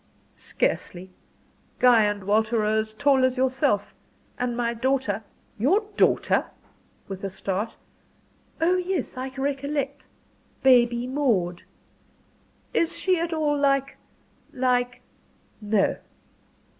"Scarcely. Guy and Walter are as tall as yourself; and my daughter " "Your daughter?" with a start "oh yes, I recollect. Baby Maud. Is she at all like like " "No."